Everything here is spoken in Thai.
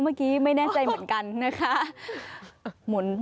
เมื่อกี้ไม่แน่ใจเหมือนกันนะคะ